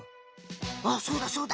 あっそうだそうだ！